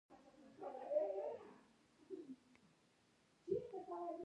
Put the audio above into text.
څنګه کولی شم په کور کې قهوه جوړه کړم